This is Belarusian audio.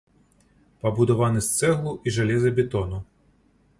Пабудаваны з цэглы і жалезабетону.